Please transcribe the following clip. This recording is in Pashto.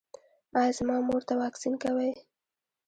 ایا زما مور ته واکسین کوئ؟